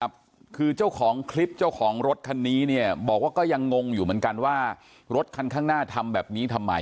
ครับคือเจ้าของคลิปเจ้าของรถคันนี้เนี่ยบอกว่าก็ยังงงอยู่เหมือนกันว่ารถคันข้างหน้าทำแบบนี้ทำไม